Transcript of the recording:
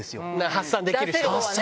発散できる人は。